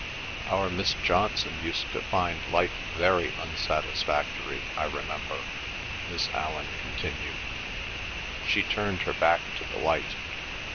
"Our Miss Johnson used to find life very unsatisfactory, I remember," Miss Allan continued. She turned her back to the light.